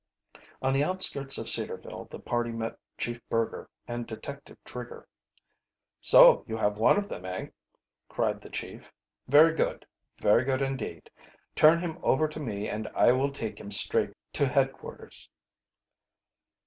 On the outskirts of Cedarville the party met Chief Burger and Detective Trigger. "So you have one of them, eh?" cried the chief. "Very good, very good indeed. Turn him over to me and I will take him straight to headquarters."